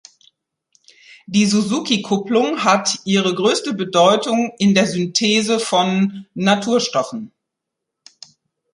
Die Suzuki-Kupplung hat ihre größte Bedeutung in der Synthese von Naturstoffen.